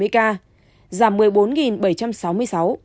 một mươi năm bảy mươi ca giảm một mươi bốn bảy trăm sáu mươi sáu